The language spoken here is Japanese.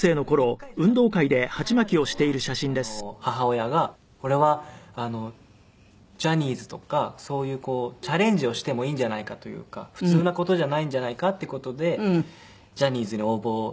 １回じゃなくて２回あるのは母親がこれはジャニーズとかそういうチャレンジをしてもいいんじゃないかというか普通な事じゃないんじゃないかっていう事でジャニーズに応募。